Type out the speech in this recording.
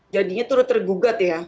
jadinya turut tergugat ya